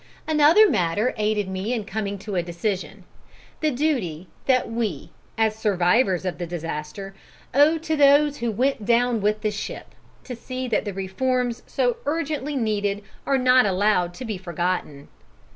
Another matter aided me in coming to a decision, the duty that we, as survivors of the disaster, owe to those who went down with the ship, to see that the reforms so urgently needed are not allowed to be forgotten.